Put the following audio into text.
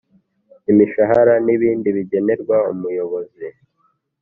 Imishahara n ibindi bigenerwa Umuyobozi